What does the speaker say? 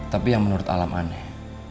tapi yang menurut alam aneh